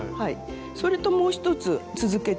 それともう一つ続けて。